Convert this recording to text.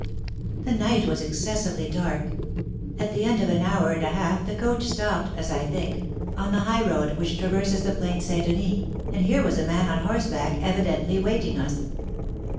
The night was excessively dark. At the end of an hour and a half the coach stopped, as I think, on the highroad which traverses the Plain St. Denis, and here was a man on horseback, evidently awaiting us.